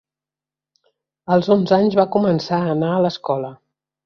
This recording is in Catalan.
Als onze anys va començar a anar a l'escola.